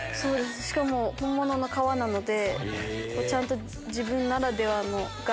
しかも本物の革なので。